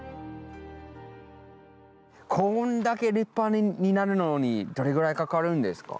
こんだけ立派になるのにどれぐらいかかるんですか？